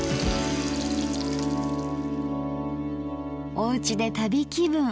おうちで旅気分。